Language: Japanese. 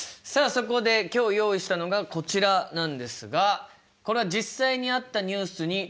そこで今日用意したのがこちらなんですがこれは実際にあったニュースにちょっと意図的にですね